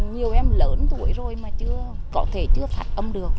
nhiều em lớn tuổi rồi mà chưa có thể chưa phát âm được